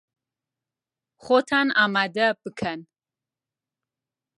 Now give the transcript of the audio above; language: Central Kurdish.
خۆتان ئامادە بکەن!